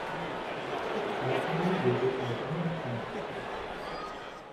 Außerdem geht es noch um Menschenrechte.